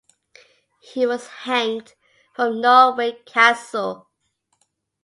He was hanged from Norwich Castle.